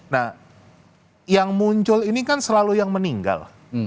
nah yang muncul ini kan selalu yang meninggal